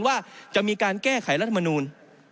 ว่าจะมีการแก้ไขรัฐมนูล